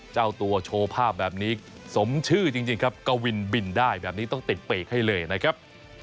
เจ้าตัวโชว์ภาพแบบนี้สมชื่อจริงครับกวินบินได้แบบนี้ต้องติดปีกให้เลยนะครับ